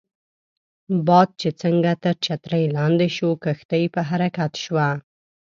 باد چې څنګه تر چترۍ لاندې شو، کښتۍ په حرکت شوه.